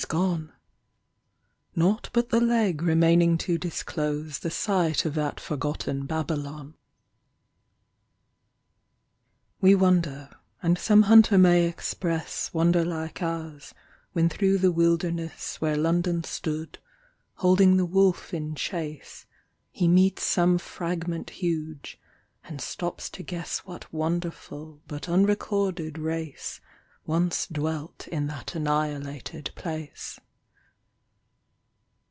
s gone ! Naught but the leg remaining to disclose The site of that forgotten Babylon. We wonder, and some hunter may express Wonder like ours, when through the wilderness Where London stood, holding the wolf in chase, He meets some fragment huge, and stops to guess What wonderful, but unrecorded, race Once dwelt in that annihilated place.